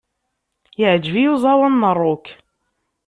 Iεǧeb-iyi uẓawan n rock.